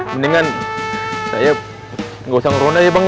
mendingan saya nggak usah ngeron aja bang